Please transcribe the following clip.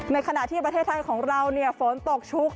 ขณะที่ประเทศไทยของเราฝนตกชุก